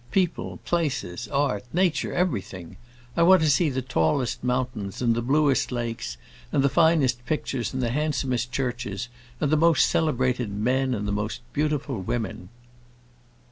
People, places, art, nature, everything! I want to see the tallest mountains, and the bluest lakes, and the finest pictures and the handsomest churches, and the most celebrated men, and the most beautiful women."